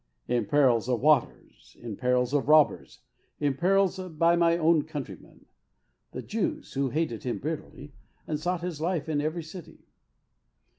" In perils of waters, in perils of robbers, in perils by mine own countrymen "— the Jews, who hated him bitterly, and sought his life in every city.